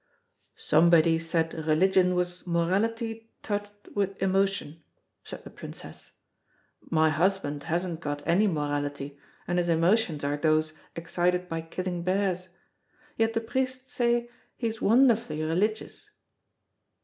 "Somebody said religion was morality touched with emotion," said the Princess. "My husband hasn't got any morality, and his emotions are those excited by killing bears. Yet the priests say he's wonderfully religious."